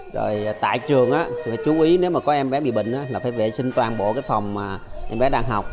rồi tại trường phải chú ý nếu mà có em bé bị bệnh là phải vệ sinh toàn bộ cái phòng mà em bé đang học